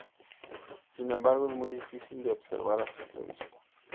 Sin embargo es muy difícil de observar a simple vista.